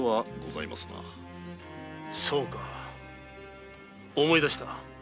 そうか思い出した。